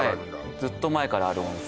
ずっと前からある温泉